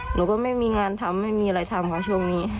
หนูก็ไม่มีงานทำไม่มีอะไรทำค่ะช่วงนี้